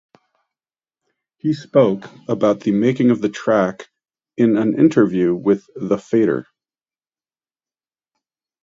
He spoke about the making of the track in an interview with The Fader.